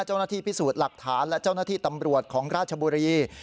เจ้าหน้าที่พิสูจน์หลักฐานและเจ้าหน้าที่ตำรวจของราชบุรี